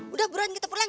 udah buruan kita pulang